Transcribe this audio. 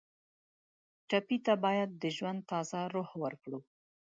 ټپي ته باید د ژوند تازه روح ورکړو.